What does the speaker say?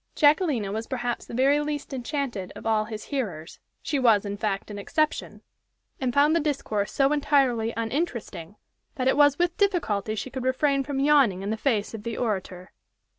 Jacquelina was perhaps the very least enchanted of all his hearers she was, in fact, an exception, and found the discourse so entirely uninteresting that it was with difficulty she could refrain from yawning in the face of the orator.